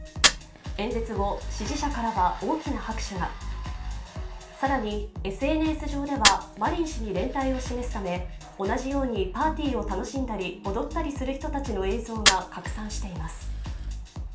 演説後、支持者からは大きな拍手が更にＳＮＳ上ではマリン氏に連帯を示すため同じようにパーティーを楽しんだり、踊ったりする人たちの映像が拡散しています。